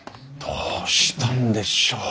どうしたんでしょう。